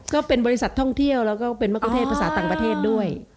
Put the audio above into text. ก็เป็นบริษัทท่องเที่ยวแล้วก็เป็นมะกุเทศภาษาต่างประเทศด้วย